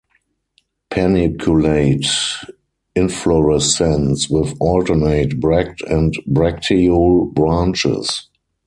Paniculate inflorescence, with alternate, bract and bracteole branches.